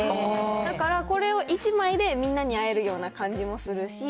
だから、これを１枚でみんなに会えるような感じもするし。